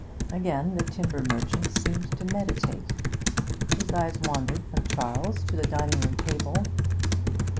Again the timber merchant seemed to meditate; his eyes wandered from Charles to the dining room table.